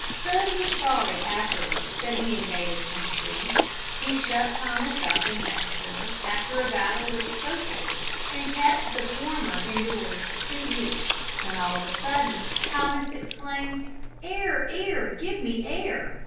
Hood was sorry afterwards that he invaded Tennessee. He shut Thomas up in Nashville after a battle with Schofield, and kept the former in doors for two weeks, when all of a sudden Thomas exclaimed, "Air! air! give me air!"